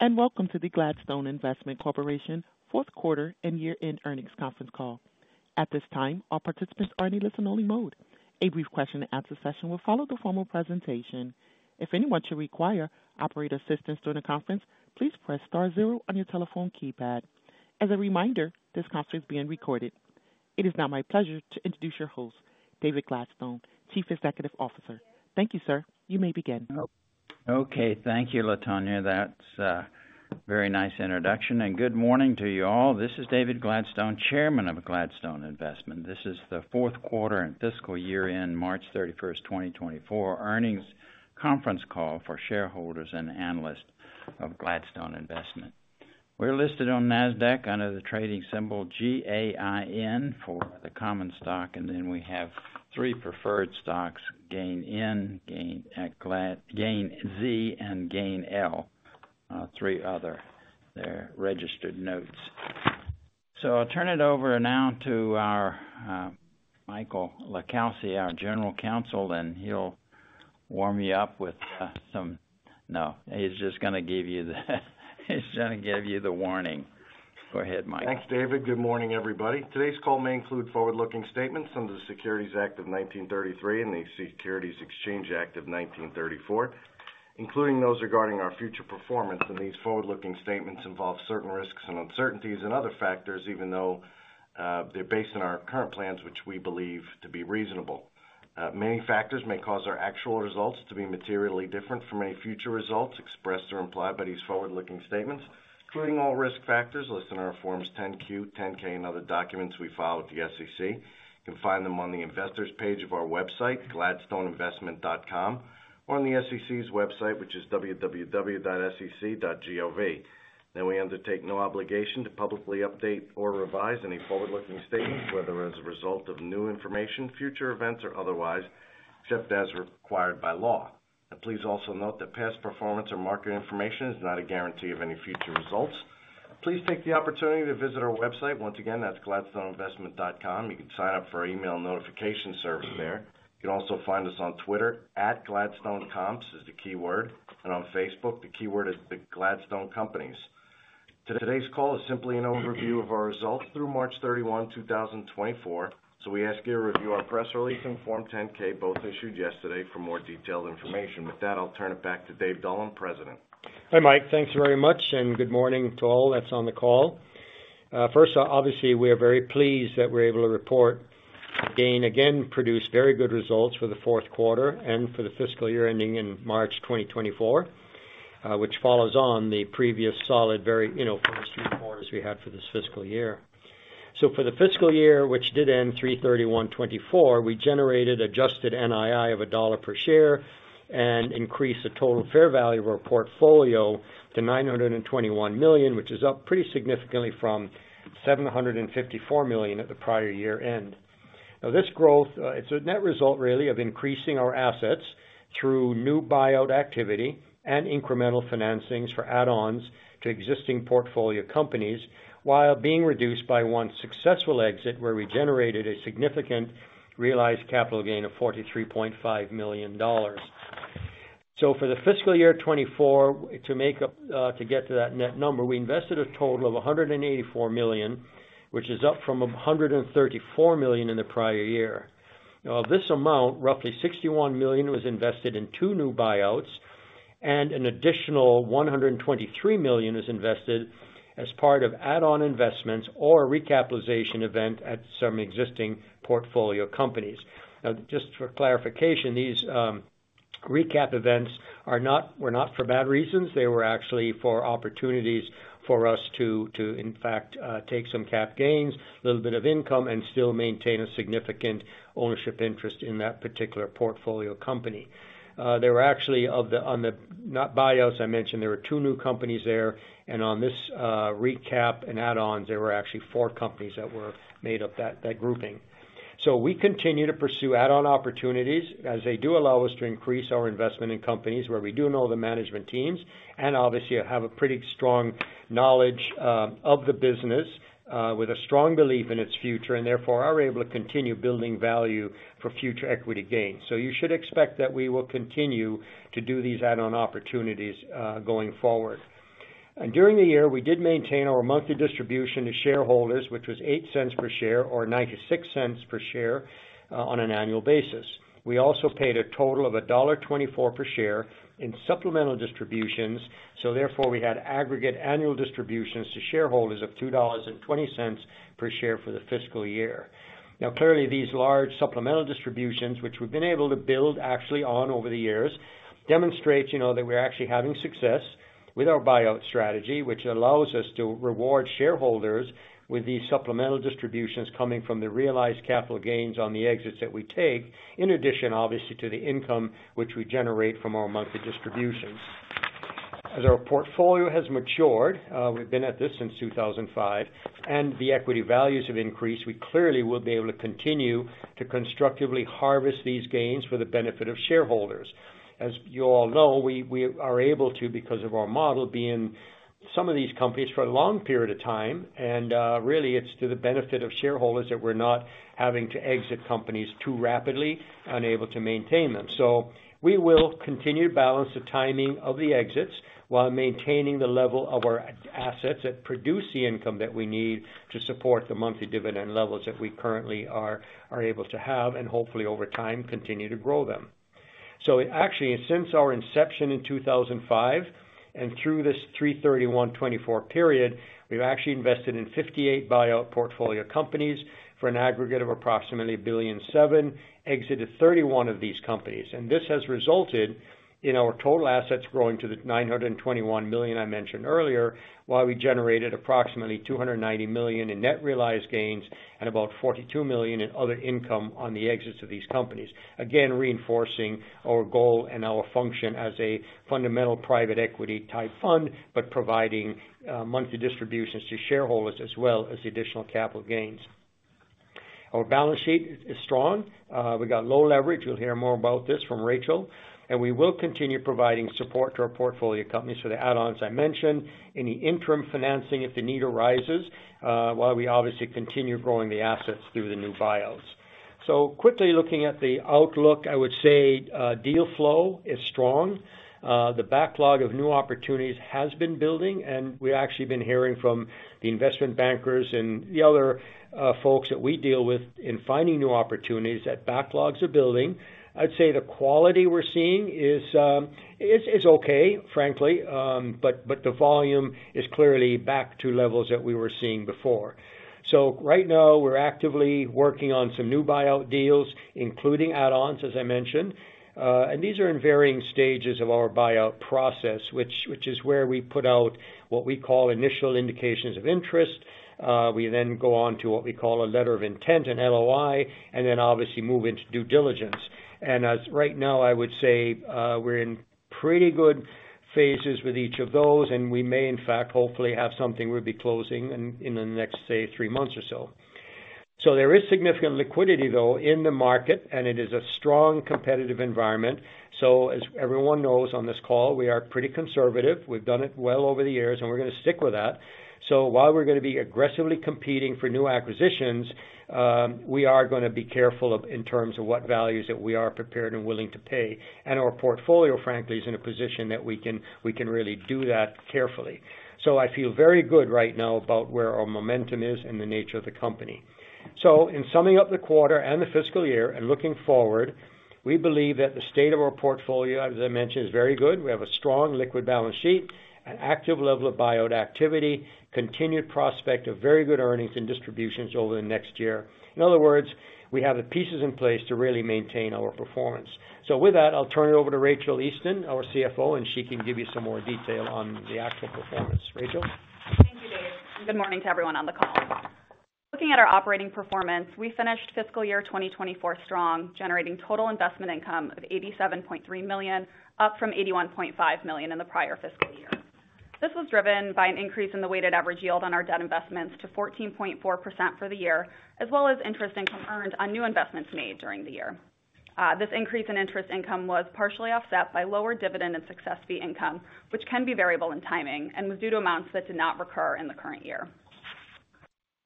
Greetings, and welcome to the Gladstone Investment Corporation fourth quarter and year-end earnings conference call. At this time, all participants are in listen-only mode. A brief question-and-answer session will follow the formal presentation. If anyone should require operator assistance during the conference, please press star zero on your telephone keypad. As a reminder, this conference is being recorded. It is now my pleasure to introduce your host, David Gladstone, Chief Executive Officer. Thank you, sir. You may begin. Okay. Thank you, Latoya. That's a very nice introduction, and good morning to you all. This is David Gladstone, chairman of Gladstone Investment. This is the fourth quarter and fiscal year-end, March 31, 2024 earnings conference call for shareholders and analysts of Gladstone Investment. We're listed on Nasdaq under the trading symbol GAIN for the common stock, and then we have three preferred stocks, GAIN N, GAIN Z, and GAIN L. They're registered notes. So I'll turn it over now to our Michael LiCalsi, our general counsel, and he'll warm you up with some... No, he's just gonna give you the warning. Go ahead, Michael. Thanks, David. Good morning, everybody. Today's call may include forward-looking statements under the Securities Act of 1933 and the Securities Exchange Act of 1934, including those regarding our future performance. These forward-looking statements involve certain risks and uncertainties and other factors, even though they're based on our current plans, which we believe to be reasonable. Many factors may cause our actual results to be materially different from any future results expressed or implied by these forward-looking statements, including all risk factors listed in our Forms 10-Q, 10-K and other documents we file with the SEC. You can find them on the Investors page of our website, gladstoneinvestment.com, or on the SEC's website, which is www.sec.gov. We undertake no obligation to publicly update or revise any forward-looking statements, whether as a result of new information, future events, or otherwise, except as required by law. Please also note that past performance or market information is not a guarantee of any future results. Please take the opportunity to visit our website. Once again, that's gladstoneinvestment.com. You can sign up for our email notification service there. You can also find us on Twitter, @gladstonecomps is the keyword, and on Facebook, the keyword is The Gladstone Companies. Today's call is simply an overview of our results through March thirty-one, two thousand twenty-four. We ask you to review our press release and Form 10-K, both issued yesterday, for more detailed information. With that, I'll turn it back to David Dullum, President. Hi, Mike. Thanks very much, and good morning to all that's on the call. First, obviously, we are very pleased that we're able to report GAIN, again, produced very good results for the fourth quarter and for the fiscal year ending in March 2024, which follows on the previous solid, very, you know, first three quarters we had for this fiscal year. So for the fiscal year, which did end 3/31/2024, we generated adjusted NII of $1 per share and increased the total fair value of our portfolio to $921 million, which is up pretty significantly from $754 million at the prior year end. Now, this growth, it's a net result really of increasing our assets through new buyout activity and incremental financings for add-ons to existing portfolio companies, while being reduced by one successful exit, where we generated a significant realized capital gain of $43.5 million. So for the fiscal year 2024, to make up, to get to that net number, we invested a total of $184 million, which is up from $134 million in the prior year. Now, of this amount, roughly $61 million was invested in two new buyouts, and an additional $123 million was invested as part of add-on investments or recapitalization event at some existing portfolio companies. Now, just for clarification, these recap events were not for bad reasons. They were actually for opportunities for us to, in fact, take some cap gains, a little bit of income, and still maintain a significant ownership interest in that particular portfolio company. There were actually, not buyouts, I mentioned there were two new companies there, and on this, recap and add-ons, there were actually four companies that were made of that grouping. So we continue to pursue add-on opportunities as they do allow us to increase our investment in companies where we do know the management teams and obviously have a pretty strong knowledge of the business with a strong belief in its future, and therefore, are able to continue building value for future equity gains. So you should expect that we will continue to do these add-on opportunities going forward. During the year, we did maintain our monthly distribution to shareholders, which was $0.08 per share or $0.96 per share on an annual basis. We also paid a total of $1.24 per share in supplemental distributions, so therefore, we had aggregate annual distributions to shareholders of $2.20 per share for the fiscal year. Now, clearly, these large supplemental distributions, which we've been able to build actually on over the years, demonstrates, you know, that we're actually having success with our buyout strategy, which allows us to reward shareholders with these supplemental distributions coming from the realized capital gains on the exits that we take, in addition, obviously, to the income which we generate from our monthly distributions. As our portfolio has matured, we've been at this since 2005, and the equity values have increased, we clearly will be able to continue to constructively harvest these gains for the benefit of shareholders. As you all know, we are able to, because of our model being some of these companies for a long period of time, and really, it's to the benefit of shareholders that we're not having to exit companies too rapidly, unable to maintain them. So we will continue to balance the timing of the exits while maintaining the level of our assets that produce the income that we need to support the monthly dividend levels that we currently are able to have, and hopefully, over time, continue to grow them. So actually, since our inception in 2005, and through this 3/31/2024 period, we've actually invested in 58 buyout portfolio companies for an aggregate of approximately $1.7 billion, exited 31 of these companies. And this has resulted in our total assets growing to the $921 million I mentioned earlier, while we generated approximately $290 million in net realized gains and about $42 million in other income on the exits of these companies. Again, reinforcing our goal and our function as a fundamental private equity type fund, but providing monthly distributions to shareholders as well as additional capital gains. Our balance sheet is strong. We got low leverage. You'll hear more about this from Rachael. We will continue providing support to our portfolio companies for the add-ons I mentioned, any interim financing, if the need arises, while we obviously continue growing the assets through the new buyouts. So quickly looking at the outlook, I would say, deal flow is strong. The backlog of new opportunities has been building, and we've actually been hearing from the investment bankers and the other folks that we deal with in finding new opportunities, that backlogs are building. I'd say the quality we're seeing is okay, frankly, but the volume is clearly back to levels that we were seeing before. So right now, we're actively working on some new buyout deals, including add-ons, as I mentioned. And these are in varying stages of our buyout process, which is where we put out what we call initial indications of interest. We then go on to what we call a Letter of Intent, an LOI, and then obviously move into due diligence. And as right now, I would say, we're in pretty good phases with each of those, and we may, in fact, hopefully have something we'll be closing in the next, say, three months or so. So there is significant liquidity, though, in the market, and it is a strong competitive environment. So as everyone knows on this call, we are pretty conservative. We've done it well over the years, and we're gonna stick with that. So while we're gonna be aggressively competing for new acquisitions, we are gonna be careful in terms of what values that we are prepared and willing to pay. And our portfolio, frankly, is in a position that we can really do that carefully. So I feel very good right now about where our momentum is and the nature of the company. So in summing up the quarter and the fiscal year and looking forward, we believe that the state of our portfolio, as I mentioned, is very good. We have a strong liquid balance sheet, an active level of buyout activity, continued prospect of very good earnings and distributions over the next year. In other words, we have the pieces in place to really maintain our performance. With that, I'll turn it over to Rachael Easton, our CFO, and she can give you some more detail on the actual performance. Rachel? Thank you, Dave. Good morning to everyone on the call. Looking at our operating performance, we finished fiscal year 2024 strong, generating total investment income of $87.3 million, up from $81.5 million in the prior fiscal year. This was driven by an increase in the weighted average yield on our debt investments to 14.4% for the year, as well as interest income earned on new investments made during the year. This increase in interest income was partially offset by lower dividend and success fee income, which can be variable in timing and was due to amounts that did not recur in the current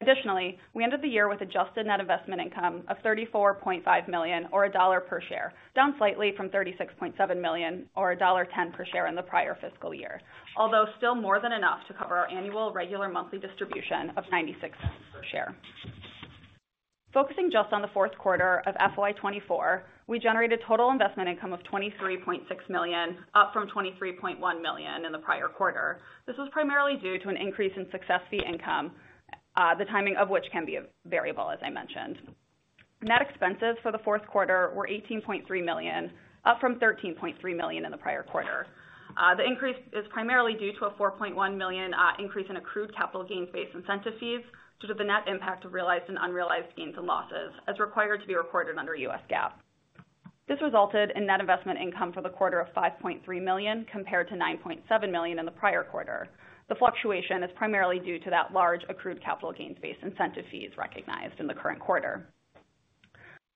year. Additionally, we ended the year with adjusted net investment income of $34.5 million or $1 per share, down slightly from $36.7 million or $1.10 per share in the prior fiscal year, although still more than enough to cover our annual regular monthly distribution of $0.96 per share. Focusing just on the fourth quarter of FY 2024, we generated total investment income of $23.6 million, up from $23.1 million in the prior quarter. This was primarily due to an increase in success fee income, the timing of which can be variable, as I mentioned. Net expenses for the fourth quarter were $18.3 million, up from $13.3 million in the prior quarter. The increase is primarily due to a $4.1 million increase in accrued capital gains-based incentive fees due to the net impact of realized and unrealized gains and losses, as required to be reported under U.S. GAAP. This resulted in Net Investment Income for the quarter of $5.3 million, compared to $9.7 million in the prior quarter. The fluctuation is primarily due to that large accrued capital gains-based incentive fees recognized in the current quarter.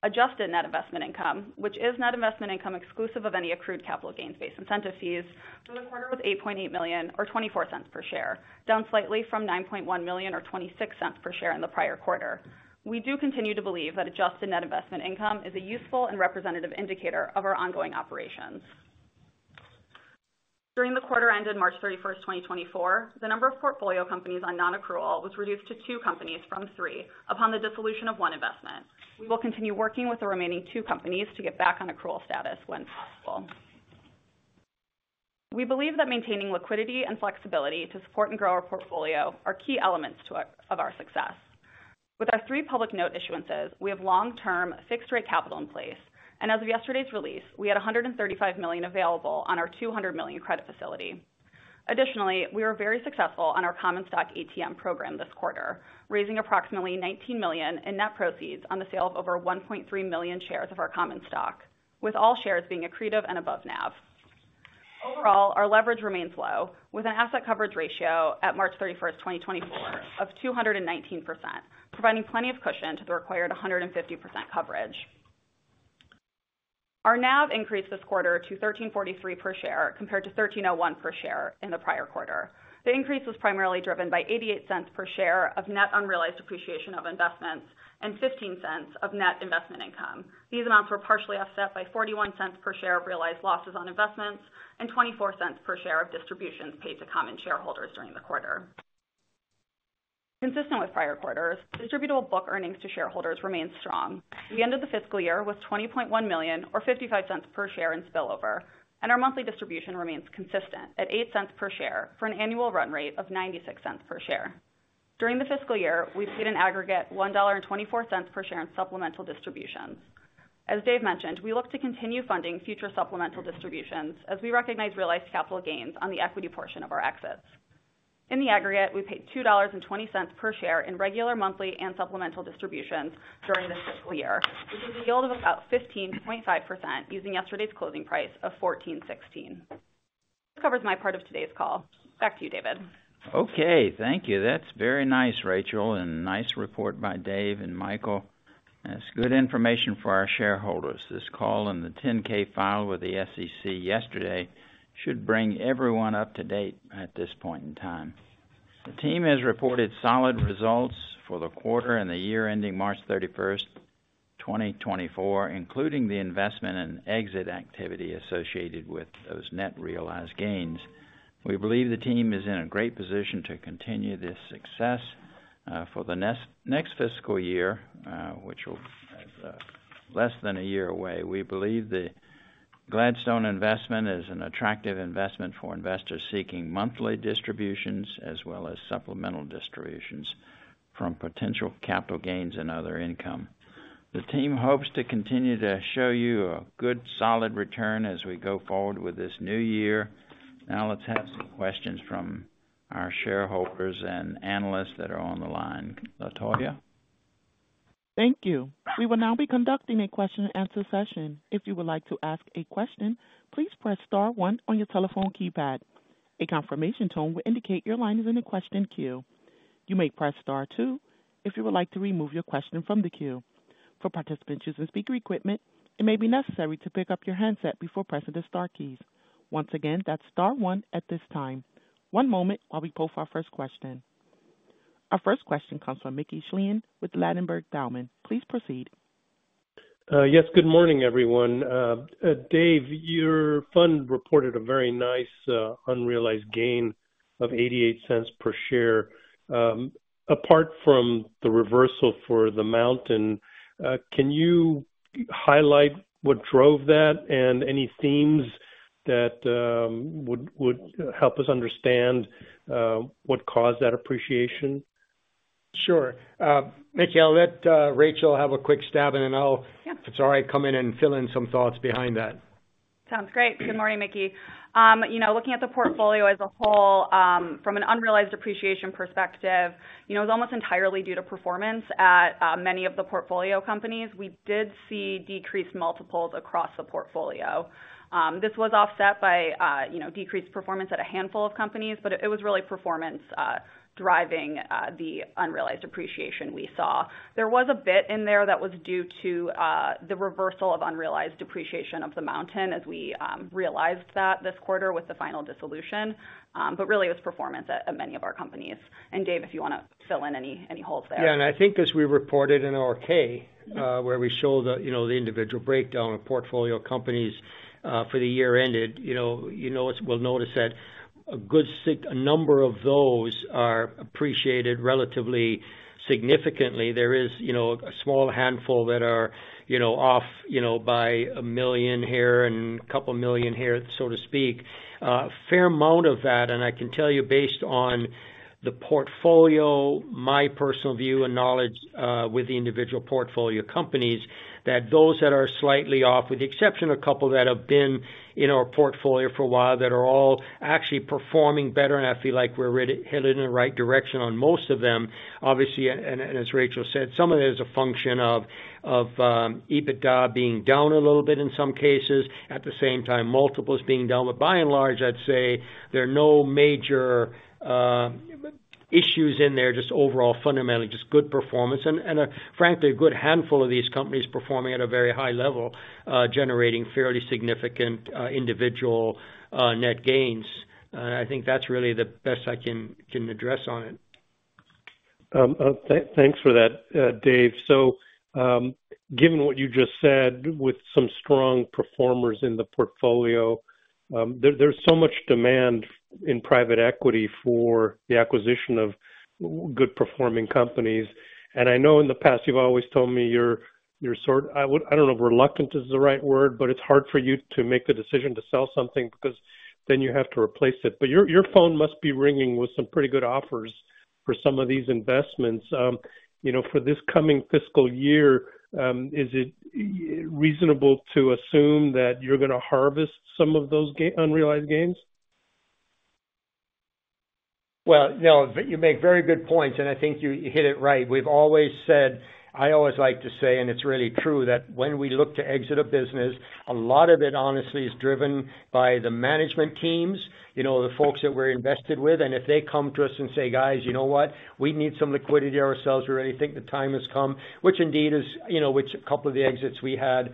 Adjusted Net Investment Income, which is Net Investment Income exclusive of any accrued capital gains-based incentive fees, for the quarter with $8.8 million or $0.24 per share, down slightly from $9.1 million or $0.26 per share in the prior quarter. We do continue to believe that Adjusted Net Investment Income is a useful and representative indicator of our ongoing operations. During the quarter ended March 31, 2024, the number of portfolio companies on non-accrual was reduced to 2 companies from 3 upon the dissolution of 1 investment. We will continue working with the remaining 2 companies to get back on accrual status when possible. We believe that maintaining liquidity and flexibility to support and grow our portfolio are key elements of our success. With our 3 public note issuances, we have long-term fixed rate capital in place, and as of yesterday's release, we had $135 million available on our $200 million credit facility. Additionally, we were very successful on our common stock ATM program this quarter, raising approximately $19 million in net proceeds on the sale of over 1.3 million shares of our common stock, with all shares being accretive and above NAV. Overall, our leverage remains low, with an asset coverage ratio at March 31, 2024, of 219%, providing plenty of cushion to the required 150% coverage. Our NAV increased this quarter to $13.43 per share, compared to $13.01 per share in the prior quarter. The increase was primarily driven by $0.88 per share of net unrealized appreciation of investments and $0.15 of net investment income. These amounts were partially offset by $0.41 per share of realized losses on investments and $0.24 per share of distributions paid to common shareholders during the quarter. Consistent with prior quarters, distributable book earnings to shareholders remained strong. The end of the fiscal year was $20.1 million, or $0.55 per share in spillover, and our monthly distribution remains consistent at $0.08 per share for an annual run rate of $0.96 per share. During the fiscal year, we paid an aggregate $1.24 per share in supplemental distributions. As Dave mentioned, we look to continue funding future supplemental distributions as we recognize realized capital gains on the equity portion of our exits. In the aggregate, we paid $2.20 per share in regular, monthly and supplemental distributions during this fiscal year, which is a yield of about 15.5%, using yesterday's closing price of $14.16. This covers my part of today's call. Back to you, David. Okay, thank you. That's very nice, Rachael, and nice report by Dave and Michael. That's good information for our shareholders. This call and the 10-K filed with the SEC yesterday should bring everyone up to date at this point in time. The team has reported solid results for the quarter and the year ending March thirty-first, twenty twenty-four, including the investment and exit activity associated with those net realized gains. We believe the team is in a great position to continue this success, for the next fiscal year, which will, less than a year away. We believe the Gladstone investment is an attractive investment for investors seeking monthly distributions, as well as supplemental distributions from potential capital gains and other income. The team hopes to continue to show you a good, solid return as we go forward with this new year. Now, let's have some questions from our shareholders and analysts that are on the line. Latoya? Thank you. We will now be conducting a question-and-answer session. If you would like to ask a question, please press star one on your telephone keypad. A confirmation tone will indicate your line is in the question queue. You may press star two if you would like to remove your question from the queue. For participants using speaker equipment, it may be necessary to pick up your handset before pressing the star keys. Once again, that's star one at this time. One moment while we pull for our first question. Our first question comes from Mickey Schleien with Ladenburg Thalmann. Please proceed. Yes, good morning, everyone. Dave, your fund reported a very nice unrealized gain of $0.88 per share. Apart from the reversal for The Mountain, can you highlight what drove that and any themes that would help us understand what caused that appreciation? Sure. Mickey, I'll let Rachael have a quick stab, and then I'll- Yeah. If it's all right, come in and fill in some thoughts behind that. Sounds great. Good morning, Mickey. You know, looking at the portfolio as a whole, from an unrealized appreciation perspective, you know, it's almost entirely due to performance at many of the portfolio companies. We did see decreased multiples across the portfolio. This was offset by, you know, decreased performance at a handful of companies, but it was really performance driving the unrealized appreciation we saw. There was a bit in there that was due to the reversal of unrealized depreciation of The Mountain as we realized that this quarter with the final dissolution. But really it was performance at many of our companies. And Dave, if you wanna fill in any holes there. Yeah, and I think as we reported in our K- Mm-hmm. where we show the, you know, the individual breakdown of portfolio companies, for the year ended, you know, you'll notice that a good number of those are appreciated relatively, significantly. There is, you know, a small handful that are, you know, off, you know, by $1 million here and a couple million here, so to speak. A fair amount of that, and I can tell you based on the portfolio, my personal view and knowledge, with the individual portfolio companies, that those that are slightly off, with the exception of a couple that have been in our portfolio for a while, that are all actually performing better, and I feel like we're already headed in the right direction on most of them. Obviously, as Rachel said, some of it is a function of EBITDA being down a little bit in some cases, at the same time, multiples being down. But by and large, I'd say there are no major issues in there, just overall fundamentally, just good performance and a frankly good handful of these companies performing at a very high level, generating fairly significant individual net gains. And I think that's really the best I can address on it. Thanks for that, Dave. So, given what you just said, with some strong performers in the portfolio, there's so much demand in private equity for the acquisition of good performing companies. And I know in the past, you've always told me you're sort... I would-- I don't know if reluctant is the right word, but it's hard for you to make the decision to sell something, because then you have to replace it. But your phone must be ringing with some pretty good offers for some of these investments. You know, for this coming fiscal year, is it reasonable to assume that you're gonna harvest some of those unrealized gains? ... Well, no, you make very good points, and I think you, you hit it right. We've always said, I always like to say, and it's really true, that when we look to exit a business, a lot of it, honestly, is driven by the management teams, you know, the folks that we're invested with. And if they come to us and say, "Guys, you know what? We need some liquidity ourselves. We really think the time has come," which indeed is, you know, which a couple of the exits we had,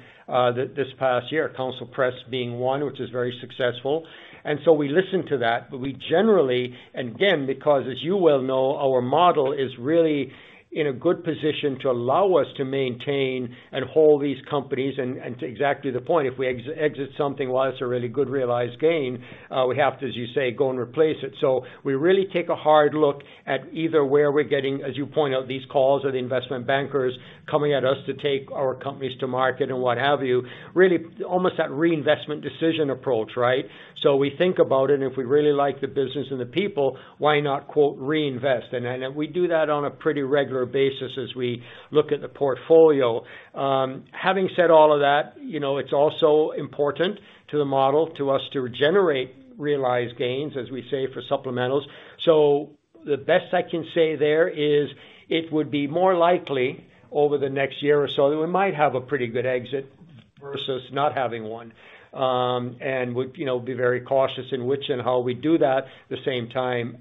this, this past year, Counsel Press being one, which is very successful. And so we listen to that, but we generally, and again, because as you well know, our model is really in a good position to allow us to maintain and hold these companies. And to exactly the point, if we exit something while it's a really good realized gain, we have to, as you say, go and replace it. So we really take a hard look at either where we're getting, as you point out, these calls or the investment bankers coming at us to take our companies to market and what have you. Really, almost that reinvestment decision approach, right? So we think about it, and if we really like the business and the people, why not, quote, "reinvest"? And we do that on a pretty regular basis as we look at the portfolio. Having said all of that, you know, it's also important to the model, to us, to generate realized gains, as we say, for supplementals. So the best I can say there is, it would be more likely over the next year or so that we might have a pretty good exit versus not having one. And would, you know, be very cautious in which and how we do that, at the same time,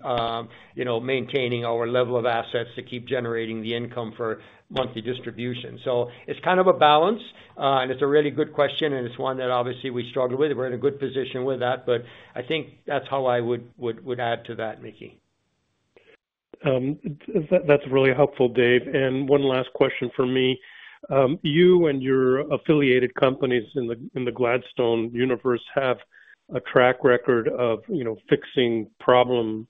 you know, maintaining our level of assets to keep generating the income for monthly distribution. So it's kind of a balance, and it's a really good question, and it's one that obviously we struggle with. We're in a good position with that, but I think that's how I would add to that, Mickey. That's really helpful, Dave. One last question for me. You and your affiliated companies in the Gladstone universe have a track record of, you know, fixing problem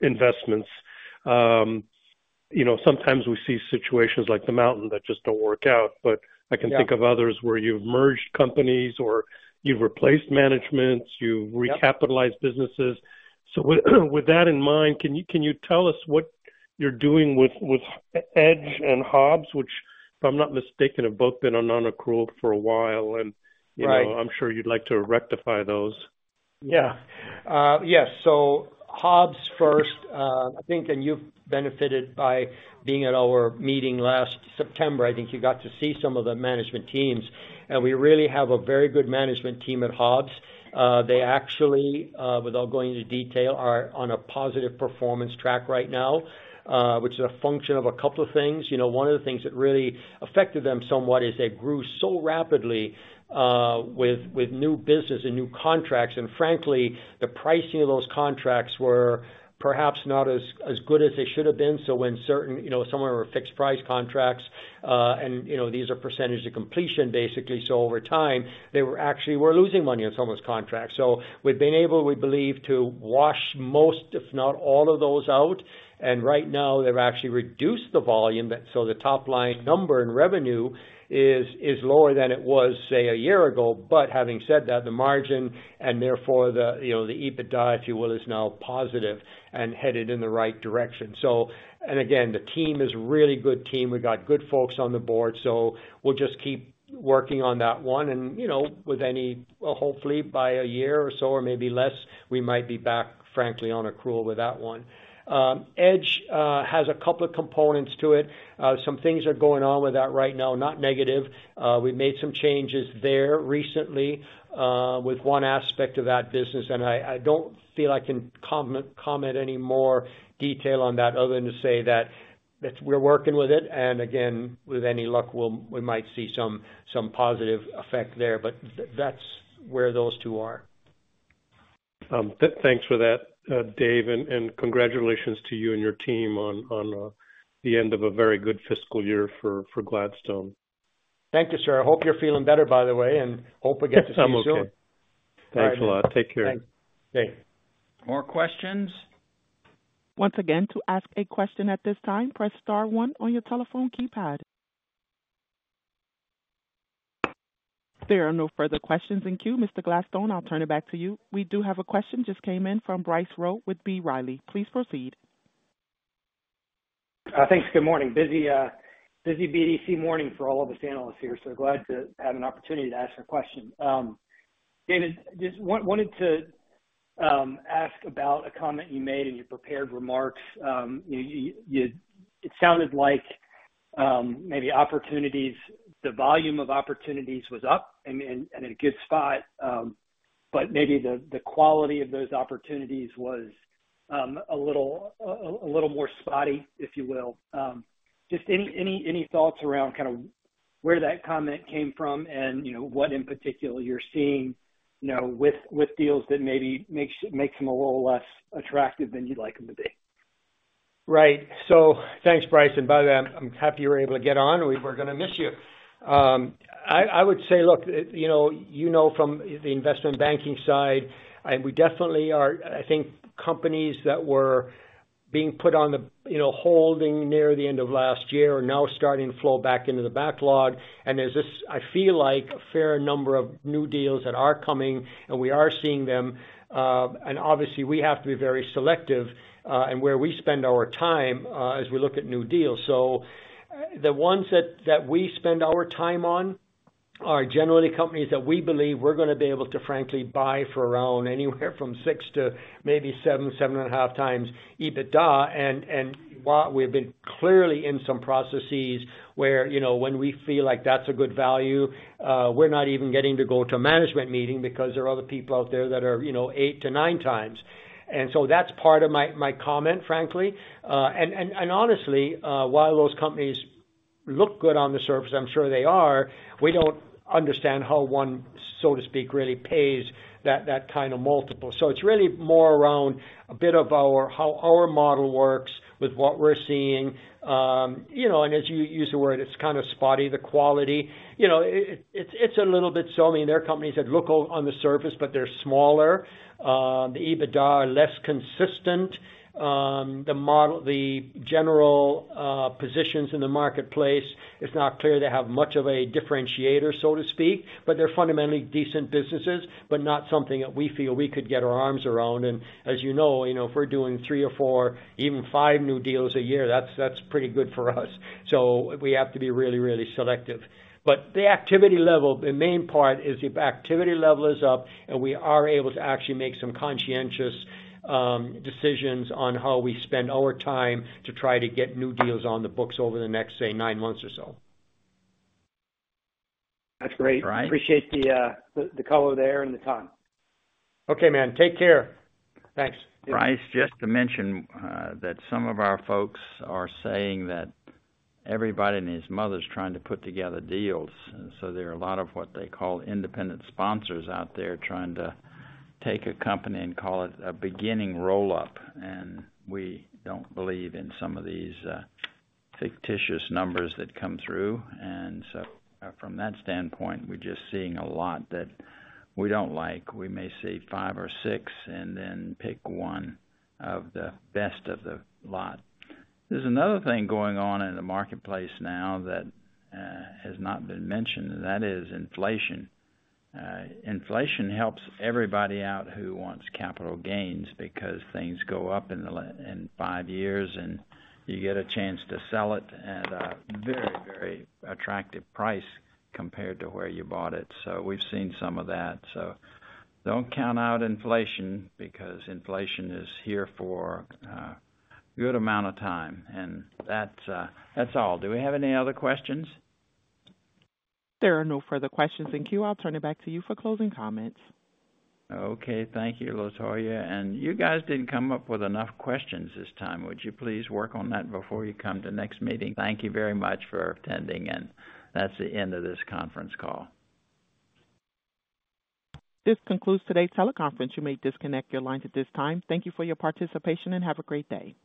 investments. You know, sometimes we see situations like The Mountain that just don't work out. Yeah. But I can think of others where you've merged companies or you've replaced managements- Yeah. You've recapitalized businesses. So with that in mind, can you tell us what you're doing with Edge and Hobbs, which, if I'm not mistaken, have both been on non-accrual for a while? Right. You know, I'm sure you'd like to rectify those. Yeah. Yes, so Hobbs first, I think, and you've benefited by being at our meeting last September. I think you got to see some of the management teams, and we really have a very good management team at Hobbs. They actually, without going into detail, are on a positive performance track right now, which is a function of a couple of things. You know, one of the things that really affected them somewhat is they grew so rapidly, with new business and new contracts, and frankly, the pricing of those contracts were perhaps not as good as they should have been. So when certain... You know, some were fixed price contracts, and you know, these are percentage of completion, basically. So over time, they were actually losing money on some of those contracts. So we've been able, we believe, to wash most, if not all, of those out, and right now, they've actually reduced the volume. But so the top line number in revenue is, is lower than it was, say, a year ago. But having said that, the margin and therefore the, you know, the EBITDA, if you will, is now positive and headed in the right direction. So... And again, the team is a really good team. We've got good folks on the board, so we'll just keep working on that one. And, you know, with any... Hopefully, by a year or so, or maybe less, we might be back, frankly, on accrual with that one. Edge has a couple of components to it. Some things are going on with that right now, not negative. We made some changes there recently, with one aspect of that business, and I don't feel I can comment any more detail on that, other than to say that we're working with it, and again, with any luck, we might see some positive effect there, but that's where those two are. Thanks for that, Dave, and congratulations to you and your team on the end of a very good fiscal year for Gladstone. Thank you, sir. I hope you're feeling better, by the way, and hope we get to see you soon. I'm okay. All right. Thanks a lot. Take care. Thanks. Bye. More questions? Once again, to ask a question at this time, press star one on your telephone keypad. There are no further questions in queue. Mr. Gladstone, I'll turn it back to you. We do have a question, just came in from Bryce Rowe with B. Riley. Please proceed. Thanks. Good morning. Busy, busy BDC morning for all of us analysts here, so glad to have an opportunity to ask a question. David, just wanted to ask about a comment you made in your prepared remarks. It sounded like, maybe opportunities, the volume of opportunities was up and in a good spot, but maybe the quality of those opportunities was a little more spotty, if you will. Just any thoughts around kind of where that comment came from and, you know, what in particular you're seeing, you know, with deals that maybe makes them a little less attractive than you'd like them to be? Right. So thanks, Bryce, and by the way, I'm happy you were able to get on. We were gonna miss you. I would say, look, you know, you know from the investment banking side, and we definitely are. I think companies that were being put on the, you know, holding near the end of last year are now starting to flow back into the backlog. And there's this, I feel like, a fair number of new deals that are coming, and we are seeing them. And obviously, we have to be very selective, in where we spend our time, as we look at new deals. So, the ones that we spend our time on are generally companies that we believe we're gonna be able to frankly buy for around anywhere from 6 to maybe 7.5x EBITDA. While we've been clearly in some processes where, you know, when we feel like that's a good value, we're not even getting to go to a management meeting because there are other people out there that are, you know, 8-9 times. So that's part of my comment, frankly. Honestly, while those companies look good on the surface, I'm sure they are, we don't understand how one, so to speak, really pays that kind of multiple. So it's really more around a bit of our, how our model works with what we're seeing. You know, and as you use the word, it's kind of spotty, the quality. You know, it's a little bit. So, I mean, there are companies that look good on the surface, but they're smaller. The EBITDA are less consistent. The model, the general positions in the marketplace, it's not clear they have much of a differentiator, so to speak, but they're fundamentally decent businesses, but not something that we feel we could get our arms around. And as you know, you know, if we're doing 3 or 4, even 5 new deals a year, that's, that's pretty good for us. So we have to be really, really selective. But the activity level, the main part is the activity level is up, and we are able to actually make some conscientious decisions on how we spend our time to try to get new deals on the books over the next, say, 9 months or so. That's great. Right? Appreciate the color there and the time. Okay, man. Take care. Thanks. Bryce, just to mention, that some of our folks are saying that everybody and his mother's trying to put together deals, and so there are a lot of what they call independent sponsors out there trying to take a company and call it a beginning roll-up. We don't believe in some of these fictitious numbers that come through. So from that standpoint, we're just seeing a lot that we don't like. We may see five or six and then pick one of the best of the lot. There's another thing going on in the marketplace now that has not been mentioned, and that is inflation. Inflation helps everybody out who wants capital gains because things go up in five years, and you get a chance to sell it at a very, very attractive price compared to where you bought it. So we've seen some of that. So don't count out inflation, because inflation is here for a good amount of time. And that's, that's all. Do we have any other questions? There are no further questions in queue. I'll turn it back to you for closing comments. Okay, thank you, Latoya. You guys didn't come up with enough questions this time. Would you please work on that before you come to the next meeting? Thank you very much for attending, and that's the end of this conference call. This concludes today's teleconference. You may disconnect your lines at this time. Thank you for your participation, and have a great day.